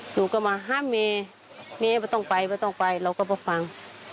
หนูก็มาห้ามเมย์เมย์ไม่ต้องไปไม่ต้องไปเราก็มาฟัง